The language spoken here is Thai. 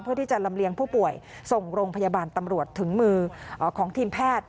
เพื่อที่จะลำเลียงผู้ป่วยส่งโรงพยาบาลตำรวจถึงมือของทีมแพทย์